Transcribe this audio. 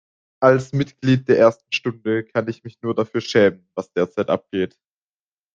Als Mitglied der ersten Stunde kann ich mich nur dafür schämen, was derzeit abgeht.